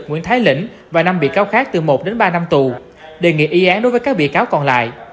nguyễn thái lĩnh và năm bị cáo khác từ một đến ba năm tù đề nghị y án đối với các bị cáo còn lại